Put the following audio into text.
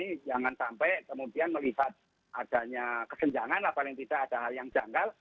ini jangan sampai kemudian melihat adanya kesenjangan lah paling tidak ada hal yang janggal